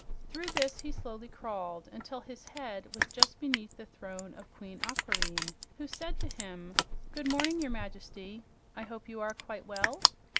Through this he slowly crawled until his head was just beneath the throne of Queen Aquareine, who said to him: "Good morning, your Majesty. I hope you are quite well?"